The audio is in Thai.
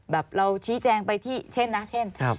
แบบเราชี้แจงไปที่เช่นนะเช่น